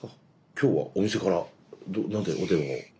今日はお店から何でお電話を？